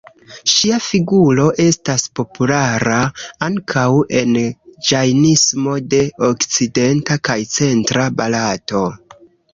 Ŝia figuro estas populara ankaŭ en la Ĝajnismo de okcidenta kaj centra Barato.